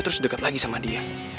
terus dekat lagi sama dia